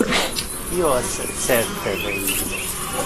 Io es certe re illo.